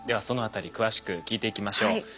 そのあたり詳しく聞いていきましょう。